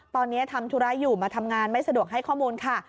ตอนนี้ทำธุระอยู่มาทำงานไม่สะดวกให้ข้อมูลค่ะ